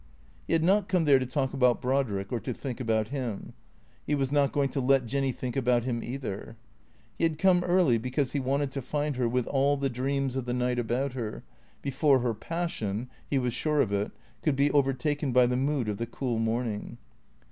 He had not come there to talk about Brodrick, or to think about him. He was not going to let Jinny think about him either. He had come early because he wanted to find her with all the dreams of the night about her, before her passion (he was sure of it) could be overtaken by the mood of the cool morning.